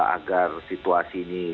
agar situasi ini